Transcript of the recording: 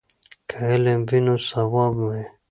که علم وي نو ثواب وي.